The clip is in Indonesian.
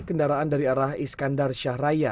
kendaraan dari arah iskandar syahraya